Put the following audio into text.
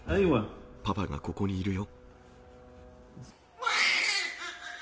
パパがここにいるよ。